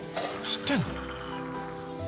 知ってんの？